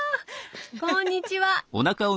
こんにちは。